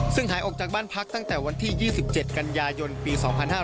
ซึ่งหายออกจากบ้านพักตั้งแต่วันที่๒๗กันยายนปี๒๕๕๙